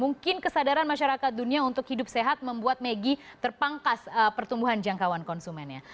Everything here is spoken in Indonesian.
mungkin kesadaran masyarakat dunia untuk hidup sehat membuat maggie terpangkas pertumbuhan jangkauan konsumennya